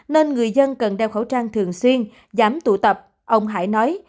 nên người dân cần đeo khẩu trang thường xuyên giảm tụ tập ông hải nói